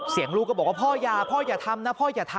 เสียงลูกก็บอกว่าพ่อยาพ่อยลาทำนะ